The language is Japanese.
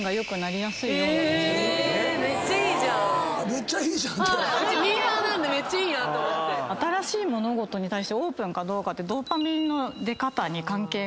「めっちゃいいじゃん」ミーハーなんでめっちゃいいなって。新しい物事に対してオープンかどうかって。の出方に関係があって。